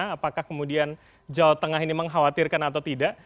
apakah kemudian jawa tengah ini mengkhawatirkan atau tidak